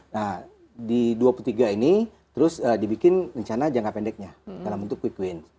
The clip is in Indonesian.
nah di dua puluh tiga ini terus dibikin rencana jangka pendeknya dalam bentuk quick win